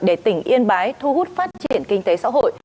để tỉnh yên bái thu hút phát triển kinh tế xã hội